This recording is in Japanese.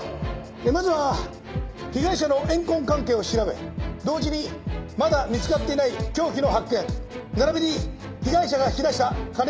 まずは被害者の怨恨関係を調べ同時にまだ見つかっていない凶器の発見並びに被害者が引き出した金の流れを洗い出す。